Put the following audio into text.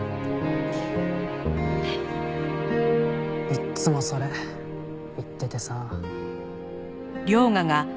いっつもそれ言っててさ。